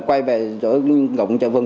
quay về góc chợ vân